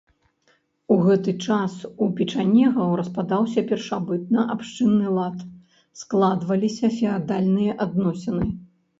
У гэты час у печанегаў распадаўся першабытнаабшчынны лад, складваліся феадальныя адносіны.